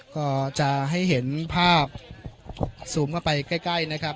ก็จะให้เห็นภาพซูมเข้าไปใกล้นะครับ